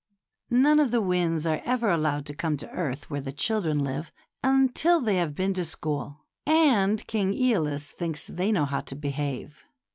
None of the winds are ever allowed to come to earth where the children live until they have been to school, A WINDY STORY. 85 and king ^oliis thinks they know how to behave.